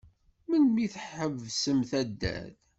Melmi i tḥebsemt addal?